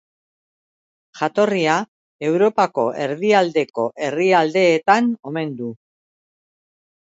Jatorria Europako erdialdeko herrialdeetan omen du.